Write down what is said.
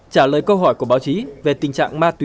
trả lời câu hỏi của báo chí về tình trạng ma túy